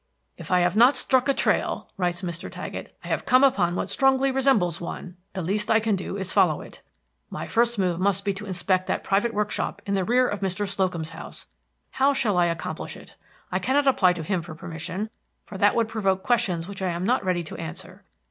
"If I have not struck a trail," writes Mr. Taggett, "I have come upon what strongly resembles one; the least I can do is to follow it. My first move must be to inspect that private workshop in the rear of Mr. Slocum's house. How shall I accomplish it? I cannot apply to him for permission, for that would provoke questions which I am not ready to answer.